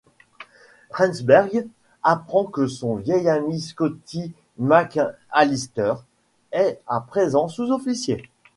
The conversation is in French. Remsberg apprend que son vieil ami Scotty McAllister est à présent sous-officier.